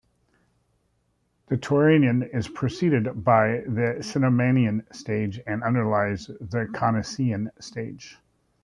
The Turonian is preceded by the Cenomanian stage and underlies the Coniacian stage.